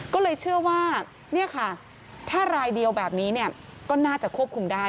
ก็เลยเชื่อว่าเนี่ยค่ะถ้ารายเดียวแบบนี้ก็น่าจะควบคุมได้